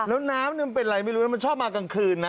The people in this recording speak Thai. แล้วน้ำมันเป็นอะไรไม่รู้นะมันชอบมากลางคืนนะ